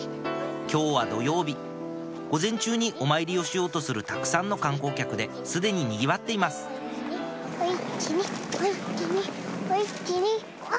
今日は土曜日午前中にお参りをしようとするたくさんの観光客で既ににぎわっていますあっ！